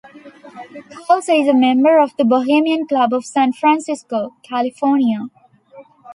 Houser is a member of the Bohemian Club of San Francisco, California.